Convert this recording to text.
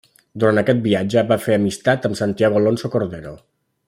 Durant aquest viatge va fer amistat amb Santiago Alonso Cordero.